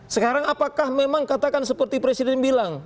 sekarang apakah memang katakan seperti presiden bilang